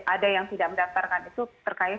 ada yang tidak mendaftarkan itu terkait